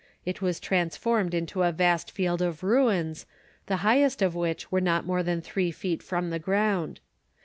It was transformed into a vast field of ruins, the highest of which were not more than three feet from the ground.